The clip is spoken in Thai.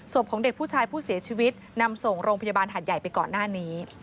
ของเด็กผู้ชายผู้เสียชีวิตนำส่งโรงพยาบาลหัดใหญ่ไปก่อนหน้านี้